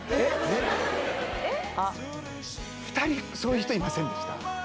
あっ２人そういう人いませんでした？